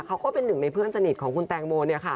ก็เป็นหนึ่งในเพื่อนสนิทของคุณแตงโม